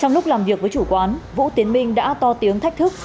trong lúc làm việc với chủ quán vũ tiến minh đã to tiếng thách thức